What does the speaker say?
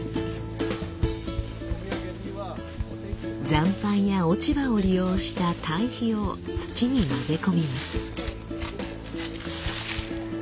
残飯や落ち葉を利用した堆肥を土に混ぜ込みます。